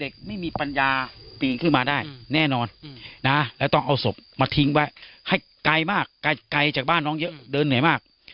ไกลมากไกลจากบ้านน้องเดินเหนื่อยมาก